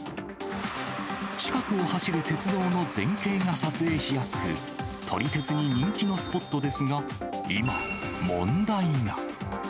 近くを走る鉄道の全景が撮影しやすく、撮り鉄に人気のスポットですが、今、問題が。